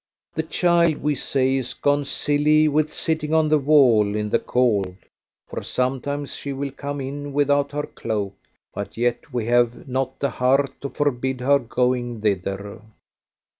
The child, we say, is gone silly with sitting on the wall in the cold, for sometimes she will come in without her cloak; but yet we have not the heart to forbid her going thither.